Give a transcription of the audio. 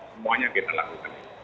semuanya kita lakukan